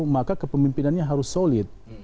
maka kepemimpinannya harus solid